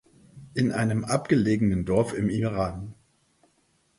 In einem abgelegenen Dorf im Iran.